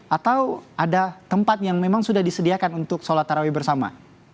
atau ada tempat yang memang sudah disediakan untuk sholat tarawih bersama